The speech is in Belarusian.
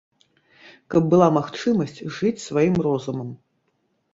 Каб была магчымасць жыць сваім розумам.